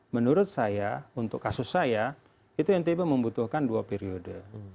menurut saya untuk kasus saya itu ntb membutuhkan dua periode